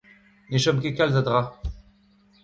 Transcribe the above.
Ne chom ket kalz a dra.